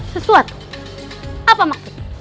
sesuatu apa maksudnya